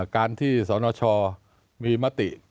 การที่สนชมีมติ